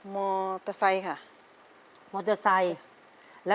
มอเตอร์ไซค่ะ